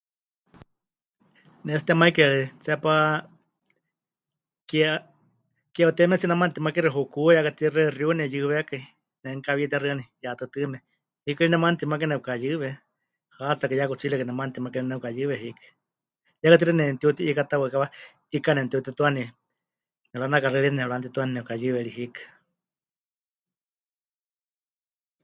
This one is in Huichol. Ne tsɨ temaikɨyari tseepá ke... ke 'utewimetsie nemanutimakixɨ hukú, ya katixaɨ xiu nepɨyɨwékai, nemenukawitexɨani ya tɨtɨɨme, hiikɨ ri nemanutimake nepɨkayɨwe, hatsakɨ ya kutsiirakɨ nemanutimake ri nepɨkayɨwe hiikɨ, ya katixaɨ nemɨtiuti'iikáta waɨkawa, 'ika nemɨtiutituani, nemɨranakaxɨrieni, nemɨranutituani nepɨkayɨwe ri hiikɨ.